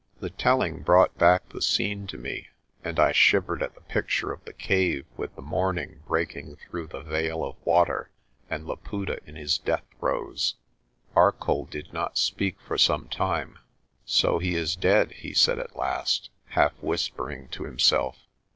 The telling brought back the scene to me and I shivered at the picture of the cave with the morning breaking through the veil of water and Laputa in his death throes. Arcoll did not speak for some time. "So he is dead," he said at last, half whispering to him self.